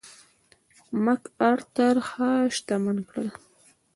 مک ارتر ښه شتمن کړل.